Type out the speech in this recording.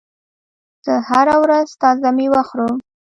زه هره ورځ تازه میوه خورم.